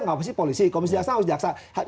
nggak pasti polisi komisi jaksa harus jaksa